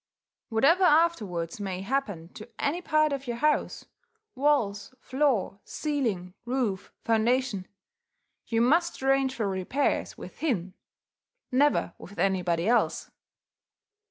Whatever afterwards may happen to any part of your house, walls, floor, ceiling, roof, foundation, you must arrange for repairs with him, never with anybody else.